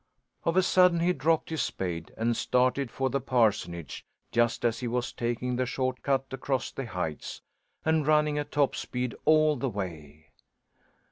Of a sudden he dropped his spade and started for the parsonage just as he was taking the short cut across the heights, and running at top speed all the way.